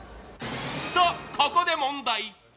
とここで問題。